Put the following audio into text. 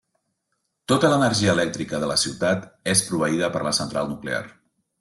Tota l'energia elèctrica de la ciutat és proveïda per la central nuclear.